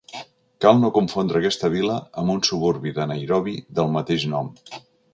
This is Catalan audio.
Cal no confondre aquesta vila amb un suburbi de Nairobi del mateix nom.